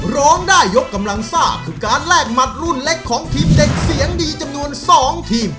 ร้องได้ยกกำลังซ่าคือการแลกหมัดรุ่นเล็กของทีมเด็กเสียงดีจำนวน๒ทีม